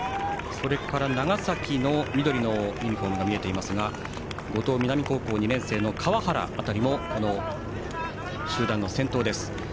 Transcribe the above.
長崎の緑のユニフォームが見えていますが五島南高校２年生の川原もこの集団の先頭です。